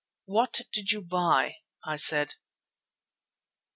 "What did you buy?" I said.